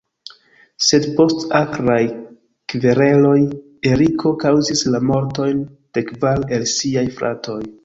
Sed post akraj kvereloj Eriko kaŭzis la mortojn de kvar el siaj fratoj.